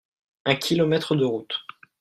Un kilomètre de route.